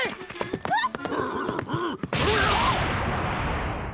えっ？